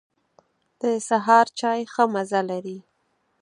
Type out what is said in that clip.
د سهار چای ښه مزه لري.